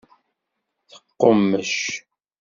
Teqqummec.